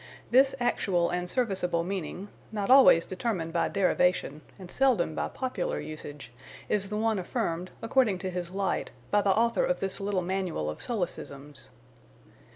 This actual and serviceable meaning not always determined by derivation, and seldom by popular usage is the one affirmed, according to his light, by the author of this little manual of solecisms.